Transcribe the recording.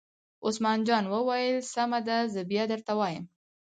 عثمان جان وویل: سمه ده زه بیا درته وایم.